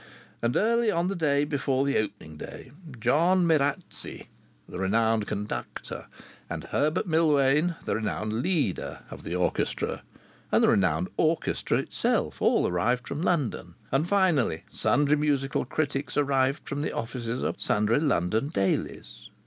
And early on the day before the opening day John Merazzi, the renowned conductor, and Herbert Millwain, the renowned leader of the orchestra, and the renowned orchestra itself, all arrived from London. And finally sundry musical critics arrived from the offices of sundry London dailies.